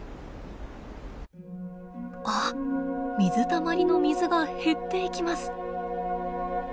あっ水たまりの水が減っていきます。